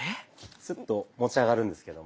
スッと持ち上がるんですけども。